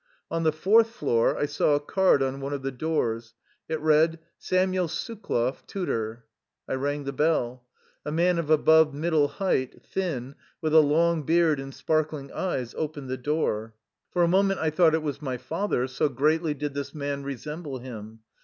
On the fourth floor I saw a card on one of the doors. It read :" Samuel Sukloff, Tu tor.'' I rang the bell. A man of above middle height, thin, with a long beard and sparkling eyes, opened the door. For a moment I thought it was my father, so greatly did this man re semble him.